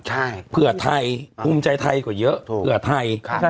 ใช่เผื่อไทยภูมิใจไทยกว่าเยอะถูกเผื่อไทยค่ะประชา